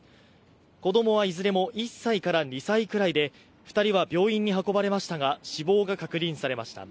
子供はいずれも１歳から２歳くらいで、２人は病院に運ばれましたが死亡が確認されました。